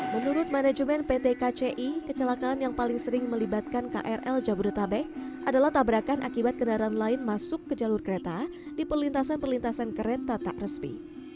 menurut manajemen pt kci kecelakaan yang paling sering melibatkan krl jabodetabek adalah tabrakan akibat kendaraan lain masuk ke jalur kereta di perlintasan perlintasan kereta tak resmi